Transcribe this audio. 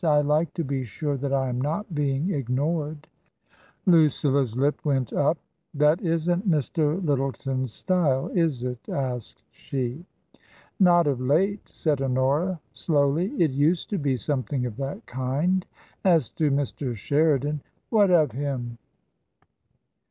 I like to be sure that I am not being ignored." Lucilla's lip went up. That isn't Mr. Lyttleton's style, is it?" asked she. Not of late," said Honora, slowly ;" it used to be something of that kind. As to Mr. Sheridan "" What of him